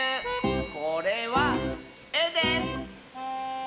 これは「え」です！